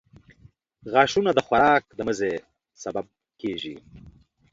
• غاښونه د خوراک د مزې سبب کیږي.